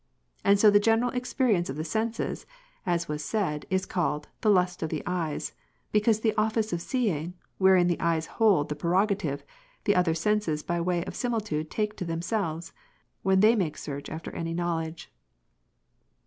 And so the general experience of the senses, as was said, is called The lust of the eyes, because the oflice of seeing, wherein the eyes hold the j)rerogative, the other senses by way of similitude take to themselves, when they make search after any knoAvledge.